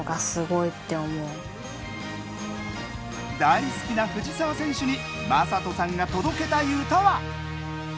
大好きな藤澤選手に将人さんが届けたい歌は？